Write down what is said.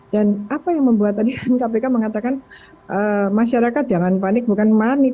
dan apa yang membuat tadi kpk mengatakan masyarakat jangan panik bukan manik